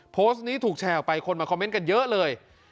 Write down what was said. โพสต์นี้ถูกแชร์ออกไปคนมาคอมเมนต์กันเยอะเลย